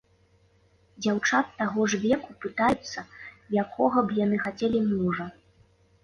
Дзяўчат таго ж веку пытаюцца, якога б яны хацелі мужа.